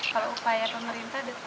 kalau upaya pemerintah detilnya sih